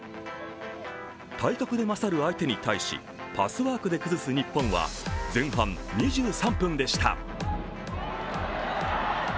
体格で勝る相手に対し、パスワークで崩す日本は前半２３分でした。